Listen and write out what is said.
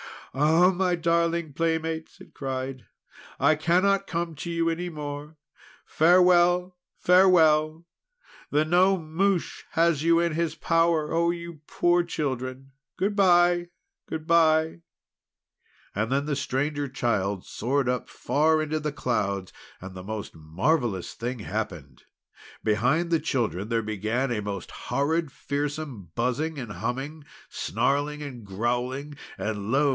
"Ah! darling playmates!" it cried. "I cannot come to you any more! Farewell! Farewell! The Gnome Mouche has you in his power! Oh! you poor children, good bye! good bye!" And then the Stranger Child soared up far into the clouds. And the most marvellous thing happened! Behind the children there began a most horrid, fearsome buzzing and humming, snarling and growling, and, lo!